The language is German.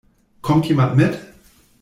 Kommt jemand mit?